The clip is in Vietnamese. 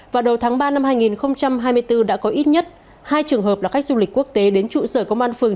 vào đầu tháng ba năm hai nghìn hai mươi bốn đã có ít nhất hai trường hợp là khách du lịch quốc tế đến trụ sở công an phường